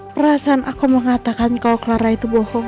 perasaan aku mengatakan kau clara itu bohong